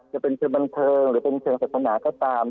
จะเป็นเชิงบันเทิงหรือเป็นเชิงศาสนาก็ตาม